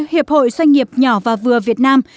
hiệp hội doanh nghiệp nhỏ và vừa việt nam